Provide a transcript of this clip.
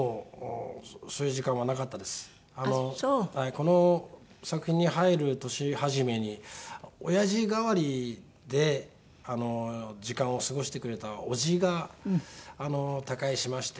この作品に入る年初めにおやじ代わりで時間を過ごしてくれたおじが他界しまして。